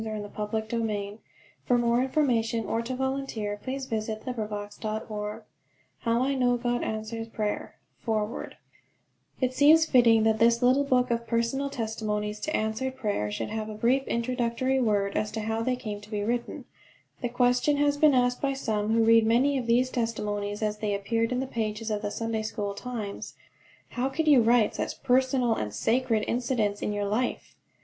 HARPER & BROTHERS PUBLISHERS NEW YORK AND LONDON Copyright, 1921, by Harper & Brothers PRINTED IN THE UNITED STATES OF AMERICA FOREWORD IT seems fitting that this little book of personal testimonies to answered prayer should have a brief introductory word as to how they came to be written. The question has been asked by some who read many of these testimonies as they appeared in the pages of The Sunday School Times: "How could you write such personal and sacred incidents in your life?"